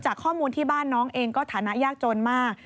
ข้อมูลที่บ้านน้องเองก็ฐานะยากจนมาก